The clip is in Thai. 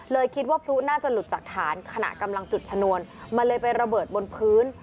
คิดว่าพลุน่าจะหลุดจากฐานขณะกำลังจุดชนวนมันเลยไประเบิดบนพื้น